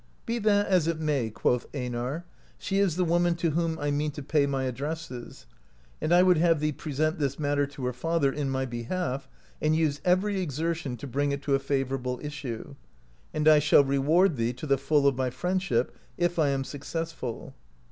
"Be that as it may," quoth Einar, "she is the woman to whom I mean to pay my addresses, and I would have thee present this matter to her father in my behalf, and use every exertion to bring it to a favourable issue, and I shall reward thee to the full of my friend ship, if I am successful.